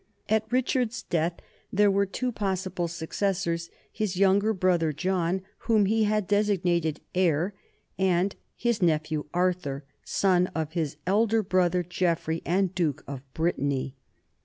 At Richard's death there were two possible succes sors, his younger brother John, whom he had designated heir, and his nephew Arthur, son of his elder brother Geoffrey and duke of Brittany.